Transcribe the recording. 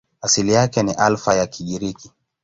Asili yake ni Alfa ya Kigiriki.